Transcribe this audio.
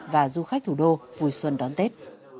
và du khách thủ đô vui xuân đón tết